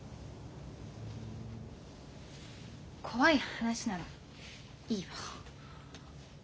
怖い話ならいいわ。